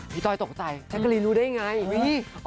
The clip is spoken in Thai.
พี่ต้อยตกใจชักกะลินรู้ได้ยังไง